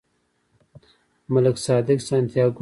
ملک صادق سانتیاګو هڅوي.